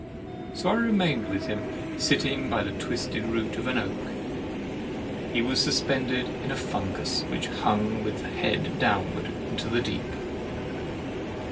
So I remained with him sitting in the twisted root of an oak; he was suspended in a fungus, which hung with the head downward into the deep.